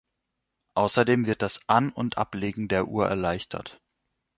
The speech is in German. Außerdem wird das An- und Ablegen der Uhr erleichtert.